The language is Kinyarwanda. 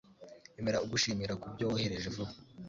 Emera ugushimira kubyo wohereje vuba